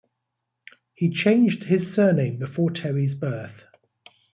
He changed his surname before Teri's birth.